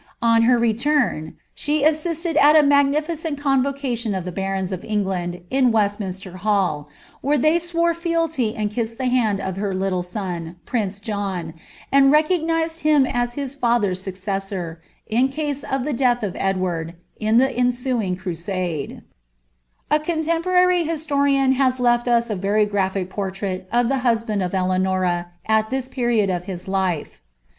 On her assisted at a magnificent convocation of the barons of Eng 9lminster Hall, where they swore fealty and kissed the hand I son, prince John, and recognised him as his father's soccet i of the death of Edward, in the ensuing crusade, oporary historian * has leA us a very graphic portrait of the ' Eleanora, at tliis period of his life.